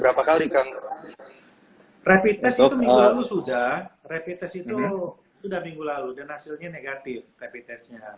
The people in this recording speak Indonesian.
rapid test itu minggu lalu sudah rapid test itu sudah minggu lalu dan hasilnya negatif rapid testnya